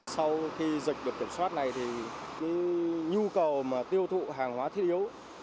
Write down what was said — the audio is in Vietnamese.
sau khi dịch được kiểm soát này nhu cầu tiêu thụ hàng hóa thiết yếu